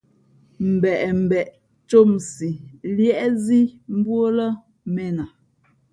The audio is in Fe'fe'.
Mbeʼmbeʼ ncǒmsī līēʼzī mbú ó lά mēn a.